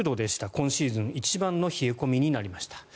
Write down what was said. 今シーズン一番の冷え込みになりました。